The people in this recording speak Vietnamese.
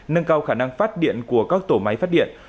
nâng cao khả năng phát điện của các tổ máy phát điện